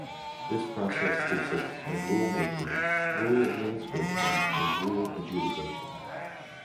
This process consists of rule-making, rule-administration and rule-adjudication.